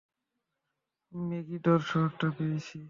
ম্যাগিডোর শহরটা পেয়েছি।